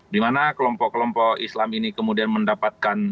dimana kelompok kelompok islam ini kemudian mendapatkan